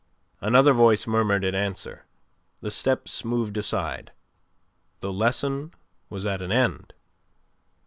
Another voice murmured in answer. The steps moved aside. The lesson was at an end.